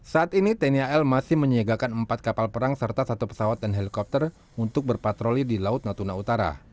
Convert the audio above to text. saat ini tni al masih menyiagakan empat kapal perang serta satu pesawat dan helikopter untuk berpatroli di laut natuna utara